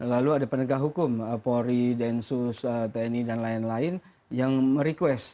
lalu ada penegak hukum polri densus tni dan lain lain yang merequest